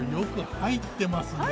入ってますね。